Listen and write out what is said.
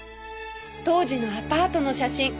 当時のアパートの写真